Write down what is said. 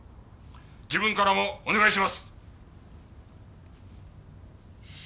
自分からもお願いします。